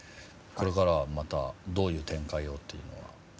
これからはまたどういう展開をっていうのは？